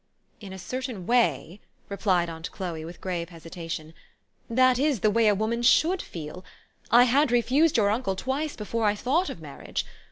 " In a certain way," replied aunt Chloe with grave hesitation, "that is the way a woman should feel. I had refused your uncle twice before I thought of marriage.